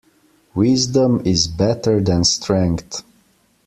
Wisdom is better than strength.